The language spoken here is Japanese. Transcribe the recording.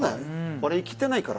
俺、生きてないから。